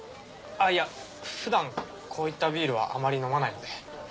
あっいやふだんこういったビールはあまり飲まないので。